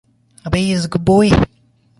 Abhay is a good boy.